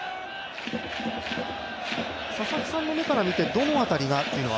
佐々木さんの目から見てどの辺りかというのは？